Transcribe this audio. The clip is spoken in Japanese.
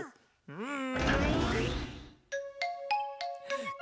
うん？